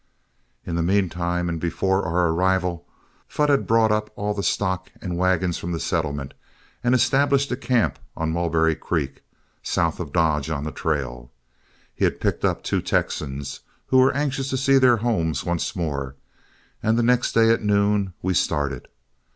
In the mean time and before our arrival, Flood had brought up all the stock and wagons from the settlement, and established a camp on Mulberry Creek, south of Dodge on the trail. He had picked up two Texans who were anxious to see their homes once more, and the next day at noon we started.